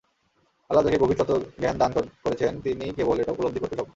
আল্লাহ যাকে গভীর তত্ত্বজ্ঞান দান করেছেন, তিনিই কেবল এটা উপলব্ধি করতে সক্ষম।